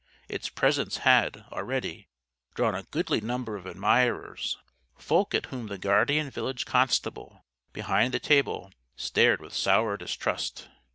Its presence had, already, drawn a goodly number of admirers folk at whom the guardian village constable, behind the table, stared with sour distrust.